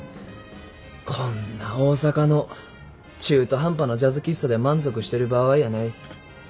こんな大阪の中途半端なジャズ喫茶で満足してる場合やない。